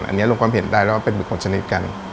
อันนี้ลงความเห็นได้แล้วว่าเป็นหมึกของชนิดกัน